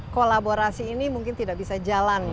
kolaborasi ini mungkin tidak bisa jalan ya